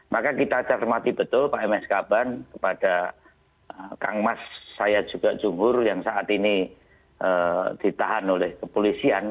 maka kita cermati betul pak ms kaban kepada kang mas saya juga jumbor yang saat ini ditahan oleh kepolisian